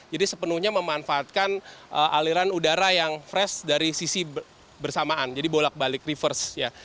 jadi sepenuhnya memanfaatkan aliran udara yang fresh dari sisi bersamaan jadi bolak balik reverse ya